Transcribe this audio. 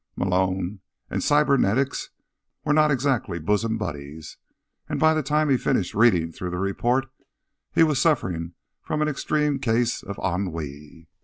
Malone and cybernetics were not exactly bosom buddies, and by the time he finished reading through the report he was suffering from an extreme case of ennui.